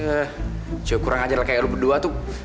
eh cowok kurang ajar lah kayak lo berdua tuh